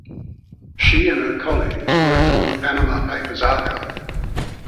She and her colleagues worked on the Panama Papers archive.